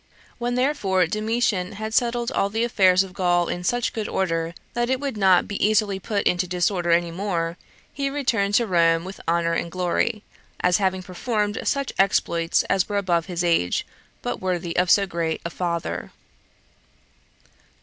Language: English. When therefore Domitian had settled all the affairs of Gaul in such good order, that it would not be easily put into disorder any more, he returned to Rome with honor and glory, as having performed such exploits as were above his own age, but worthy of so great a father.